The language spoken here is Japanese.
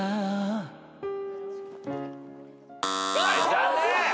残念！